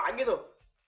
tuan kita mau ke sana